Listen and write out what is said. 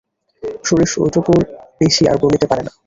সুরেশ ওইটুকুর বেশি আর বলিতে পারে না।